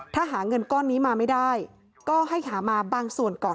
ถ้าหาเงินก้อนนี้มาไม่ได้ก็ให้หามาบางส่วนก่อน